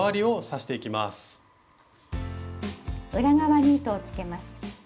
裏側に糸をつけます。